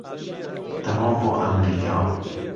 دەڕۆم بۆ ئەمریکا.